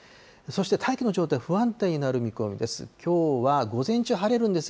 そして大気の状態、不安定になる見込みです。